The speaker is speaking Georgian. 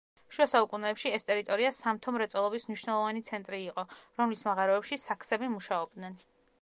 შუა საუკუნეებში ეს ტერიტორია სამთო მრეწველობის მნიშვნელოვანი ცენტრი იყო, რომლის მაღაროებში საქსები მუშაობდნენ.